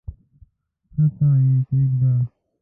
کښته یې کښېږده!